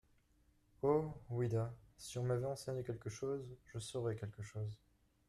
Oh ! oui-da ! si on m’avait enseigné quelque chose, je saurais quelque chose.